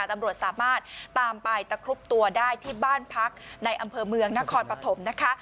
ตำรวจสามารถตามไปตะครุบตัวได้ที่บ้านพักในอำเภอเมืองนครปฐมนะคะ